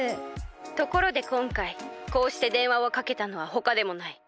ところでこんかいこうしてでんわをかけたのはほかでもない。